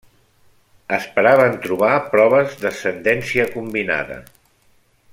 Esperaven trobar proves d'ascendència combinada.